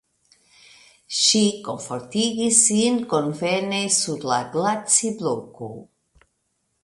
Ŝi komfortigis sin konvene sur la glacibloko.